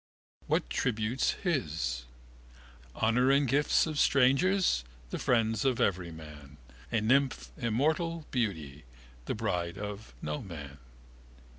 What tributes his? Honour and gifts of strangers, the friends of Everyman. A nymph immortal, beauty, the bride of Noman.